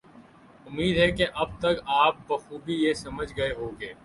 امید ہے کہ اب تک آپ بخوبی یہ سمجھ گئے ہوں گے